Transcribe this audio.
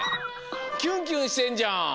キュンキュンしてんじゃん。